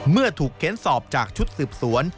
เมื่อถูกเค้นสอบจากชุดสืบสวน